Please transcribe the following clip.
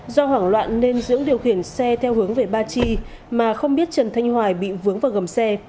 do hoảng loạn nên dưỡng điều khiển xe theo hướng về ba chi mà không biết trần thanh hoài bị vướng vào gầm xe